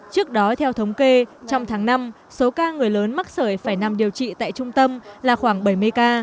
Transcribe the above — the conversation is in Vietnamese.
trước đó theo thống kê trong tháng năm số ca người lớn mắc sợi phải nằm điều trị tại trung tâm là khoảng bảy mươi ca